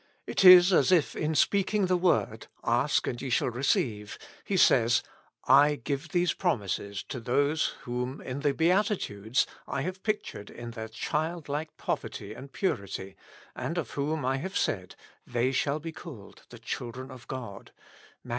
It is as if in speaking the word, " Ask, and ye shall receive," He says, I give these promises to those whom in the beatitudes I have pictured in their childlike poverty and purity, and of whom I have said, "They shall be called the children of God" (Matt.